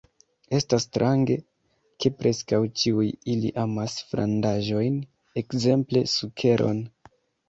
Estas strange, ke preskaŭ ĉiuj ili amas frandaĵojn, ekzemple sukeron.